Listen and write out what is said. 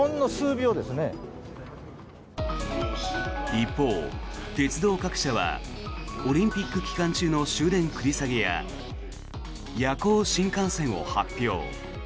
一方、鉄道各社はオリンピック期間中の終電繰り下げや夜行新幹線を発表。